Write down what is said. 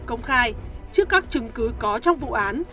công khai trước các chứng cứ có trong vụ án